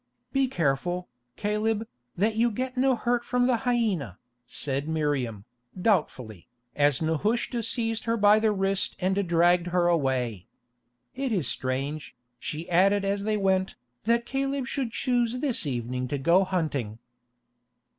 "Be careful, Caleb, that you get no hurt from the hyena," said Miriam, doubtfully, as Nehushta seized her by the wrist and dragged her away. "It is strange," she added as they went, "that Caleb should choose this evening to go hunting."